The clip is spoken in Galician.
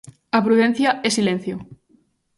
a prudencia é silencio.